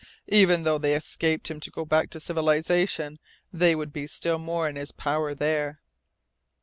Even though they escaped him to go back to civilization, they would be still more in his power there."